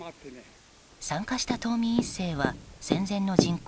参加した島民１世は戦前の人口